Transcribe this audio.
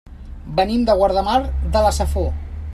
Venim de Guardamar de la Safor.